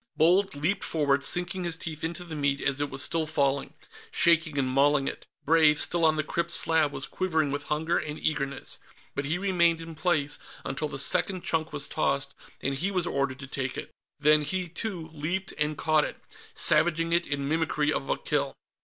Bold leaped forward, sinking his teeth into the meat as it was still falling, shaking and mauling it. Brave, still on the crypt slab, was quivering with hunger and eagerness, but he remained in place until the second chunk was tossed and he was ordered to take it. Then he, too, leaped and caught it, savaging it in mimicry of a kill.